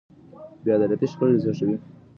بې عدالتي شخړې زېږوي.